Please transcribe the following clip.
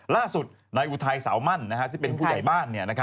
ล่าสุดนายอุทัยสาวมั่นซึ่งเป็นผู้ใหญ่บ้าน